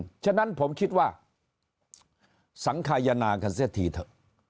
เพราะฉะนั้นผมคิดว่าสังขยนากันเสียทีเถอะ